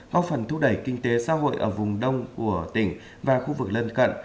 góp phần thúc đẩy kinh tế xã hội ở vùng đông của tỉnh và khu vực lân cận